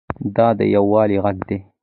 دا د یووالي غږ دی.